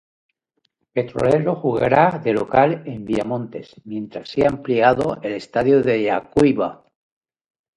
Petrolero jugará de local en Villamontes mientras sea ampliado el estadio de Yacuiba.